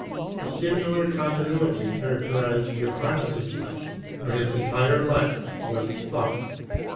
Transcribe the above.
A similar continuity characterized Johannes' life, for his entire life was thought."